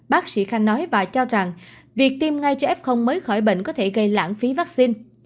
bác sĩ khanh nói và cho rằng việc tiêm ngay cho f mới khỏi bệnh có thể gây lãng phí vaccine